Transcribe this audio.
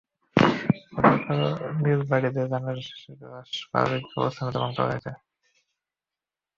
গতকাল সকালে নিজ বাড়িতে জানাজা শেষে লাশ পারিবারিক কবরস্থানে দাফন করা হয়।